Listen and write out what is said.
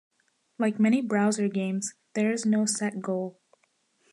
Like many browser games, there is no set goal.